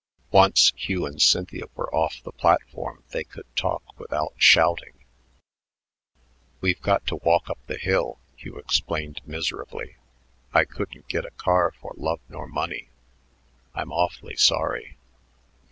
Once Hugh and Cynthia were off the platform they could talk without shouting. "We've got to walk up the hill," Hugh explained miserably. "I couldn't get a car for love nor money. I'm awfully sorry."